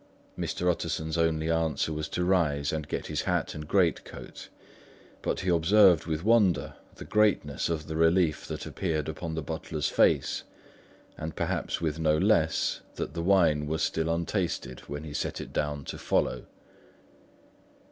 Mr. Utterson's only answer was to rise and get his hat and greatcoat; but he observed with wonder the greatness of the relief that appeared upon the butler's face, and perhaps with no less, that the wine was still untasted when he set it down to follow.